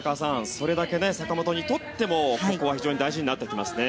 それだけ坂本にとってもここは非常に大事になってきますね。